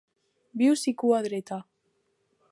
Vius i cua dreta!